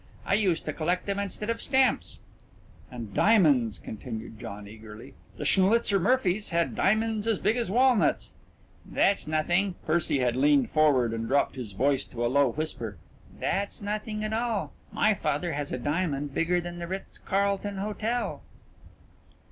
I used to collect them instead of stamps." "And diamonds," continued John eagerly. "The Schnlitzer Murphys had diamonds as big as walnuts " "That's nothing." Percy had leaned forward and dropped his voice to a low whisper. "That's nothing at all. My father has a diamond bigger than the Ritz Carlton Hotel."